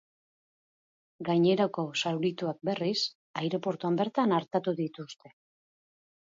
Gainerako zaurituak, berriz, aireportuan bertan artatu dituzte.